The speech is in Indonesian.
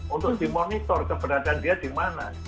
untuk dimonitor keberadaan dia dimana